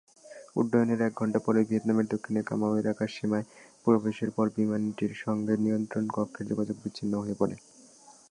উড্ডয়নের এক ঘণ্টা পরই ভিয়েতনামের দক্ষিণে কামাউ-এর আকাশসীমায় প্রবেশের পর বিমানটির সঙ্গে নিয়ন্ত্রণ কক্ষের যোগাযোগ বিচ্ছিন্ন হয়ে পড়ে।